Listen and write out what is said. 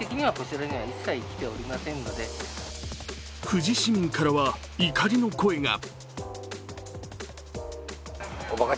富士市民からは怒りの声が。